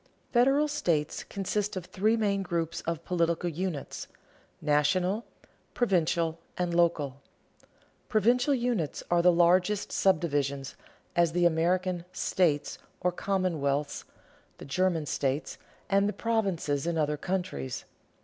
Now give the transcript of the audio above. Federal states consist of three main groups of political units: national, provincial, and local. Provincial units are the largest subdivisions, as the American "states," or commonwealths, the German states, and the provinces in other countries.